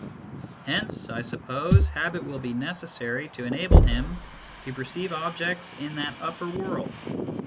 ... Hence, I suppose, habit will be necessary to enable him to perceive objects in that upper world.